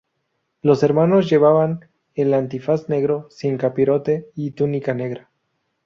Los hermanos llevaban el antifaz negro sin capirote y túnica negra.